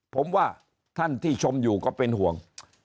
ผมว่าท่านที่ชมอยู่ก็เป็นห่วง